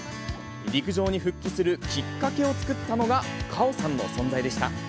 陸上に復帰するきっかけを作ったのが、果緒さんの存在でした。